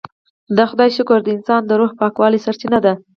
د خدای شکر د انسان د روح پاکوالي سرچینه ده.